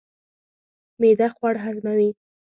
معده خواړه هضموي.